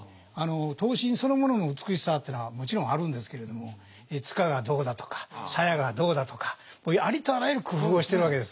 刀身そのものの美しさというのはもちろんあるんですけれども柄がどうだとか鞘がどうだとかありとあらゆる工夫をしているわけですね。